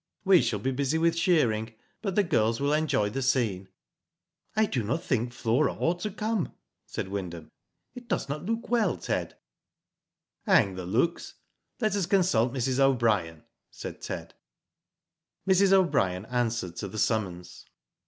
We shall be busy with shearing, but the girls will enjoy the scene." "I do not think Flora ought to come," said Wyndham. "It does not look well, Ted." Digitized byGoogk 72 WHO DID ITf Hang the looks. Let us consult Mrs. O'Brien," said Ted. Mrs. O'Brien answered to the summons.